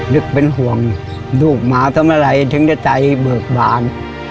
นึกเป็นห่วงลูกหมาทำอะไรถึงจะใจเบิกบาน